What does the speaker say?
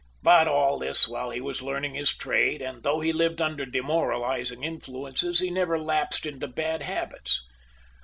But all this while he was learning his trade, and though he lived under demoralizing influences, he never lapsed into bad habits.